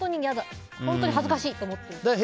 本当に恥ずかしいと思ってるのかな。